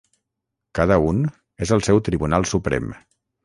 Cada un és el seu tribunal suprem.